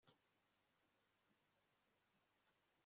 Nari mu cyunamo ntabizi